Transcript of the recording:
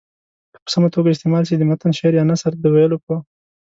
که په سمه توګه استعمال سي د متن شعر یا نثر د ویلو په